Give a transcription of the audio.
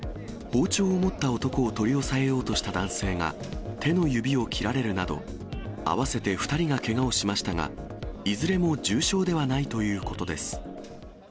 包丁を持った男を取り押さえようとした男性が、手の指を切られるなど、合わせて２人がけがをしましたが、いずれも重傷ではないということです。